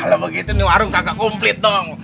kalau begitu warung ini gak kumplit dong